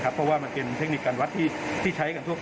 เพราะว่ามันเป็นเทคนิคการวัดที่ใช้กันทั่ว